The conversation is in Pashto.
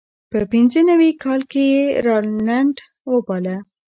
په پینځه نوي کال کې یې راینلنډ وبایله.